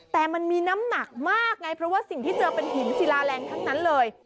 แต่มันมีน้ำหนักมากไงเพราะว่าสิ่งที่เจอเป็นหินศิลาแรงทั้งนั้นเลย